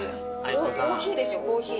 コーヒーですよコーヒー。